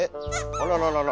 あらららら。